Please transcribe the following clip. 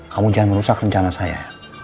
kamu jangan merusak rencana saya